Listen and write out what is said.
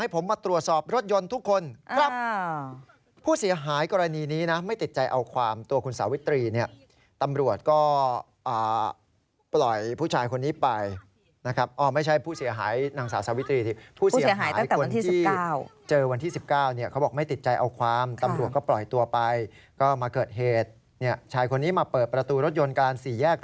ผมร้อยตำรวจเองนะครับ